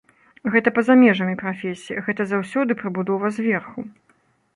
Гэта па-за межамі прафесіі, гэта заўсёды прыбудова зверху.